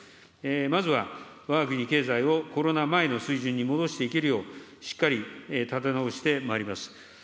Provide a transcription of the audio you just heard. まずはわが国経済をコロナ前の水準に戻していけるよう、しっかり立て直してまいります。